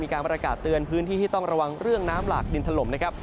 การประกาศเตือนพื้นที่ที่ต้องระวังเรื่องน้ำหลากดินถล่มนะครับ